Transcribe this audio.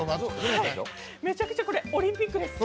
めちゃくちゃオリンピックです。